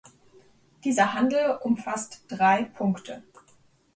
Dieser Handel umfasst drei Punkte.